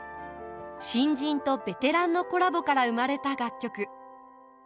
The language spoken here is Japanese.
新人とベテランのコラボから生まれた楽曲。